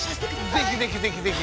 ぜひぜひぜひぜひ。